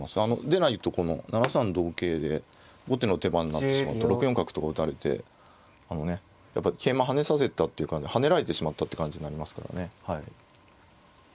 でないと７三同桂で後手の手番になってしまうと６四角とか打たれてやっぱり桂馬跳ねさせたっていうか跳ねられてしまったって感じになりますからね。